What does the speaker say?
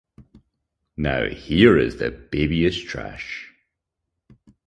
Now here is the babyish trash.